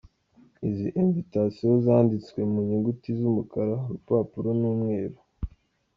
Izi ‘Invitations’ zanditswe mu nyuguti z’umukara; Urupapuro ni umweru.